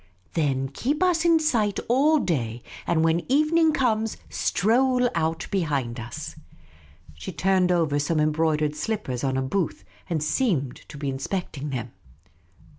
" Then keep us in sight all day, and when evening comes, stroll out behind us." The Unobtrusive Oasis 199 She turned over some embroidered slippers on a booth, and seemed to be inspecting them.